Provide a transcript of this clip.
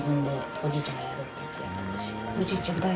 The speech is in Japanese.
おじいちゃん。